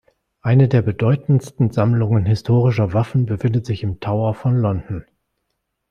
Eine der bedeutendsten Sammlungen historischer Waffen befindet sich im Tower von London.